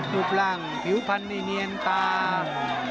หลังผิวพันธ์ในเนียนตาม